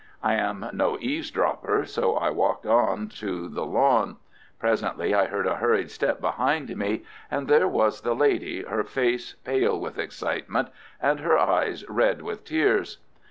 I am no eavesdropper, so I walked out on to the lawn. Presently I heard a hurried step behind me, and there was the lady, her face pale with excitement, and her eyes red with tears.